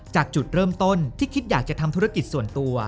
จุดเริ่มต้นที่คิดอยากจะทำธุรกิจส่วนตัว